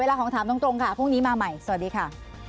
ของถามตรงค่ะพรุ่งนี้มาใหม่สวัสดีค่ะ